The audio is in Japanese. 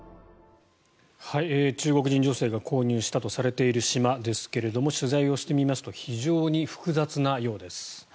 中国人女性が購入したとされている島ですが取材をしてみますと非常に複雑なようです。